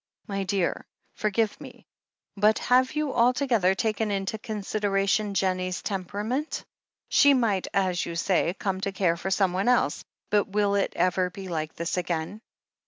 "My dear, forgive me, but have you altogether taken into consideration Jennie's temperament? She might, as you say, come to care for someone else — ^but will it ever be like this again